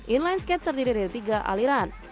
inline skate terdiri dari tiga aliran